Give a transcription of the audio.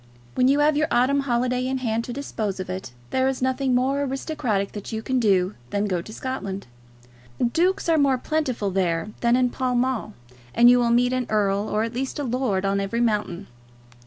When you have your autumn holiday in hand to dispose of it, there is nothing more aristocratic that you can do than go to Scotland. Dukes are more plentiful there than in Pall Mall, and you will meet an earl or at least a lord on every mountain.